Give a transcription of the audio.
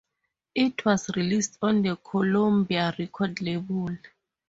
It was released on the Columbia record label.